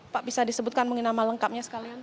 pak bisa disebutkan mengenama lengkapnya sekali